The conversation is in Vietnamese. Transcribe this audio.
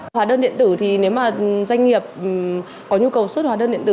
hóa đơn điện tử thì nếu mà doanh nghiệp có nhu cầu xuất hóa đơn điện tử